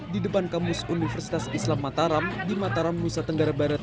di depan kamus universitas islam mataram di mataram nusa tenggara barat